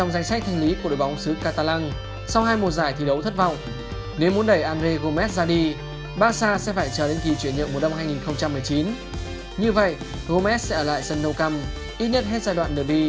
xin chào và hẹn gặp lại trong các video tiếp theo